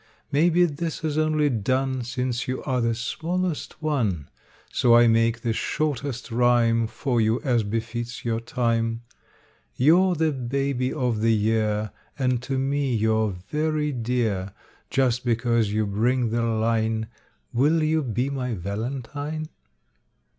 May be this is only done Since you are the smallest one; So I make the shortest rhyme For you, as befits your time: You're the baby of the year, And to me you're very dear, Just because you bring the line, "Will you be my Valentine?"